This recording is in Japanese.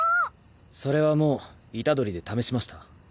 それはもう虎杖で試しました。